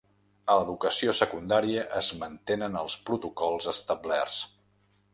A l’educació secundària es mantenen els protocols establerts.